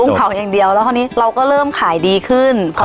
เผาอย่างเดียวแล้วคราวนี้เราก็เริ่มขายดีขึ้น